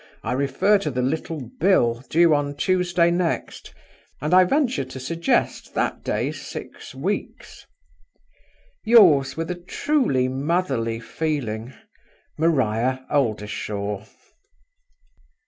I refer to the little bill due on Tuesday next, and I venture to suggest that day six weeks. "Yours, with a truly motherly feeling, "MARIA OLDERSHAW."